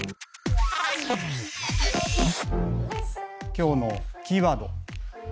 今日のキーワード